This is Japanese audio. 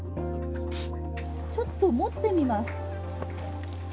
ちょっと持ってみます。